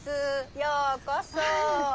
ようこそ。